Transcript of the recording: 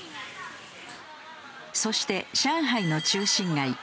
そして上海の中心街